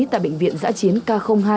tại bệnh viện giã chiến k hai